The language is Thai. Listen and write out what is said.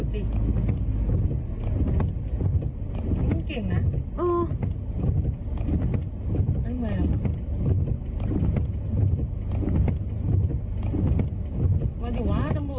มาดิวะจำบวชอ่ะมีคนเชื่อแล้ว